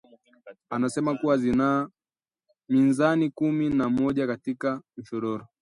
anasema kuwa zina mizani kumi na moja katika kila mshororo